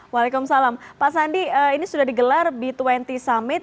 waalaikumsalam pak sandi ini sudah digelar b dua puluh summit